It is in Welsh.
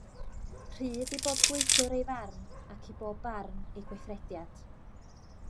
Rhydd i bob gweithiwr ei farn, ac i bob barn ei gweithrediad.